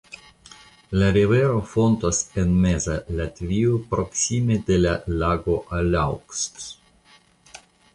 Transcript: La rivero fontas en meza Latvio proksime de la lago Alauksts.